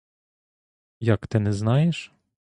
Як ти те знаєш?